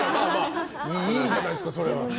いいじゃないですか、それは。